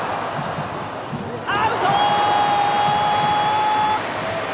アウト！